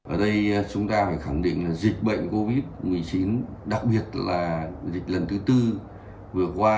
ở đây chúng ta phải khẳng định là dịch bệnh covid một mươi chín đặc biệt là dịch lần thứ tư vừa qua